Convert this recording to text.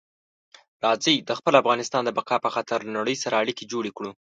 راځئ د خپل افغانستان د بقا په خاطر له نړۍ سره اړیکي جوړې کړو.